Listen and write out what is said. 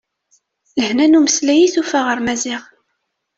Lehna n umeslay i tufa ɣer Maziɣ.